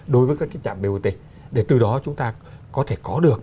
để từ đó chúng ta có thể có được